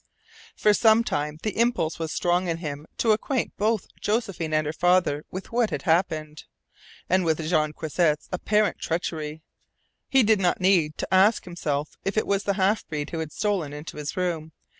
For some time the impulse was strong in him to acquaint both Josephine and her father with what had happened, and with Jean Croisset's apparent treachery. He did not need to ask himself if it was the half breed who had stolen into his room.